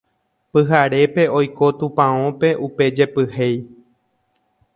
Pyharépe oiko tupãópe pe jepyhéi